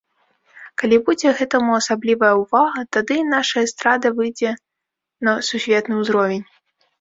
Калі будзе гэтаму асаблівая ўвага, тады і нашая эстрада выйдзе на сусветны ўзровень.